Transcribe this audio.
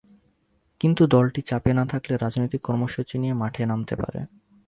কিন্তু দলটি চাপে না থাকলে রাজনৈতিক কর্মসূচি নিয়ে মাঠে নামতে পারে।